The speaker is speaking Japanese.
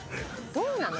どうなの？